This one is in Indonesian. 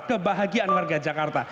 kebahagiaan warga jakarta